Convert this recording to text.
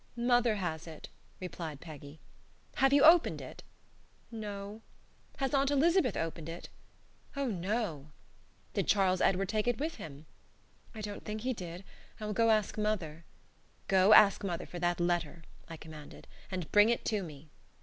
"Mother has it," replied Peggy. "Have you opened it?" "No." "Has Aunt Elizabeth opened it?" "Oh no!" "Did Charlies Edward take it with him?" "I don't think he did. I will go ask mother." "Go ask mother for that letter," I commanded, "and bring it to me."